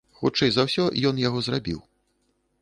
Хутчэй за ўсё, ён яго зрабіў.